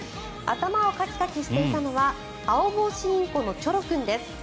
頭をカキカキしていたのはアオボウシインコのチョロ君です